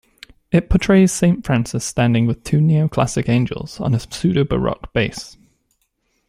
It portrays Saint Francis standing with two neoclassic angels, on a pseudo-baroque base.